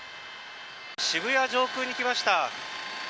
渋谷上空に来ました。